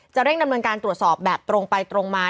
เร่งดำเนินการตรวจสอบแบบตรงไปตรงมา